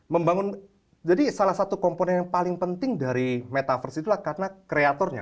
membangun jadi salah satu komponen yang paling penting dari metaverse itulah karena kreatornya